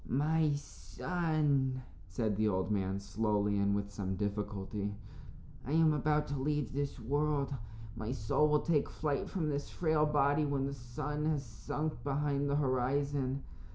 "My son," said the old man, slowly, and with some difficulty, "I am about to leave this world. My soul will take flight from this frail body when the sun has sunk behind the horizon.